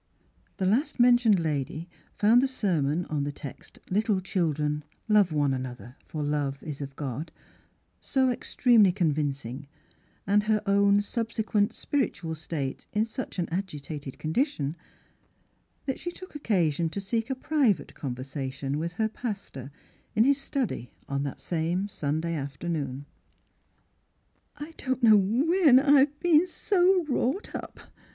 70 Miss Philura The last mentioned lady found the sermon — on the text, " Little children, love one another, for love is of God" — so extremely convincing, and her own subsequent spiritual state in such an agitated con dition, that she took occasion to seek a private conversation with her pastor in his study on that same Sunday afternoon. "I don't know when I've been so wrought up